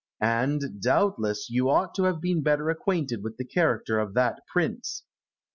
And, doubtless, you ought to have been better acquainted with the character of that prince.